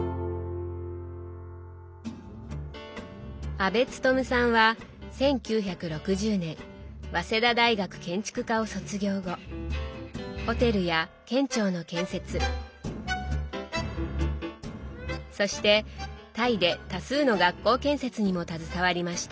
阿部勤さんは１９６０年早稲田大学建築科を卒業後ホテルや県庁の建設そしてタイで多数の学校建設にも携わりました。